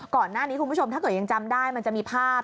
คุณผู้ชมถ้าเกิดยังจำได้มันจะมีภาพ